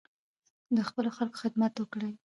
د خپلو خلکو خدمت وکړئ.